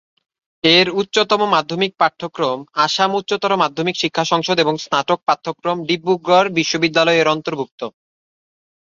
এর উচ্চতম মাধ্যমিক পাঠ্যক্রম আসাম উচ্চতর মাধ্যমিক শিক্ষা সংসদ এবং স্নাতক পাঠ্যক্রম ডিব্রুগড় বিশ্ববিদ্যালয়-এর অন্তর্ভুক্ত।